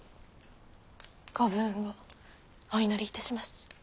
ご武運をお祈りいたします。